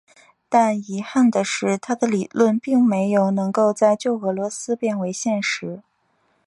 但遗憾的是他的理论并没有能够在旧俄罗斯变为现实。